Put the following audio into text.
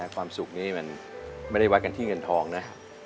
ความสุขนี้มันไม่ได้วัดกันที่เงินทองนะ